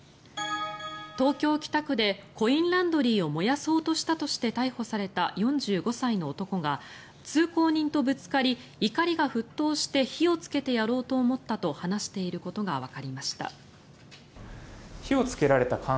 東京・北区でコインランドリーを燃やそうとしたとして逮捕された４５歳の男が通行人とぶつかり怒りが沸騰して火をつけてやろうと思ったと話していることがわかりました。